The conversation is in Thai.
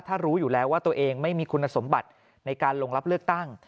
ถ้ารู้อยู่แล้วว่าตัวเองไม่มีคุณสมบัติในการลงรับเลือกตั้ง